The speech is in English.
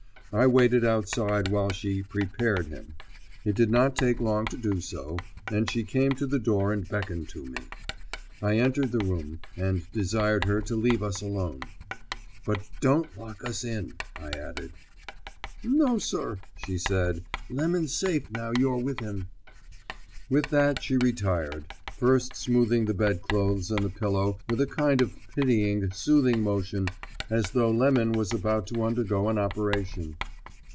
I waited outside while she "prepared" him. It did not take long to do so, and she came to the door and beckoned to me. I entered the room, and desired her to leave us alone. "But don't lock us in," I added. "No, sir," she said. "Lemon's safe now you're with him." With that she retired, first smoothing the bedclothes and the pillow with a kind of pitying, soothing motion as though Lemon was about to undergo an operation.